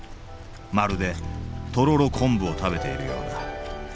まるでとろろ昆布を食べているようだ。